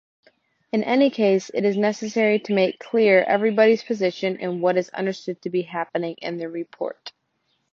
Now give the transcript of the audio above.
In any case, it is necessary to make clear everybody’s position and what is understood to be happening in the report.